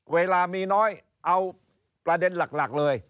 เวลามีน้อยเอาประเด็นหลักเลย